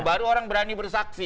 baru orang berani bersaksi